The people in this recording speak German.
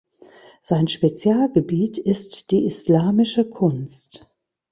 Sein Spezialgebiet ist die islamische Kunst.